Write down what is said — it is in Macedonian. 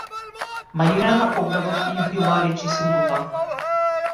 Марина на погребот ѝ била речиси лута.